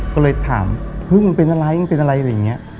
ก็เลยถามเฮ้ยมันเป็นอะไรมันเป็นอะไรอะไรอย่างนี้